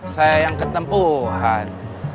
saya yang ketempuhan